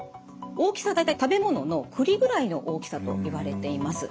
大きさは大体食べ物の栗ぐらいの大きさといわれています。